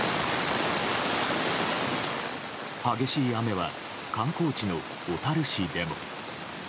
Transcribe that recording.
激しい雨は、観光地の小樽市でも。